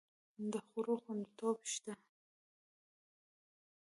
د خوړو خوندیتوب شته؟